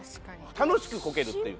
楽しくコケるっていう。